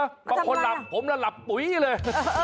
มาทำอะไรล่ะผมล่ะหลับปุ๊ยเลยเออ